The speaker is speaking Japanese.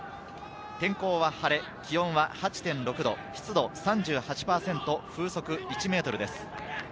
天候は晴れ、気温は８．６度、湿度３８％、風速１メートルです。